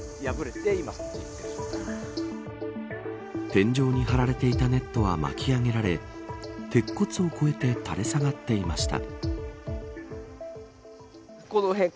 天井に張られていたネットは巻き上げられ鉄骨を超えて垂れ下がっていました。